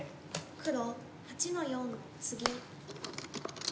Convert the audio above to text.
黒８の四ツギ。